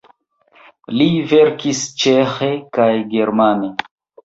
Li verkis ĉeĥe kaj germane.